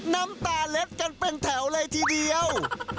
น้ำตาเล็ดกันเป็นแถวเลยทีเดียว